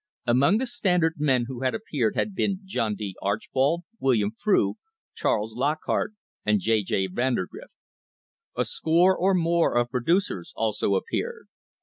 Among the Standard men who had appeared had been John D. Archbold, William Frew, Charles Lock hart and J. J. Vandergrift. A score or more of producers also appeared.